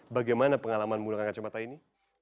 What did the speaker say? bagaimana pengalaman menggunakan kacamata ini